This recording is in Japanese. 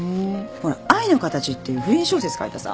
ほら『愛のカタチ』っていう不倫小説書いたさ。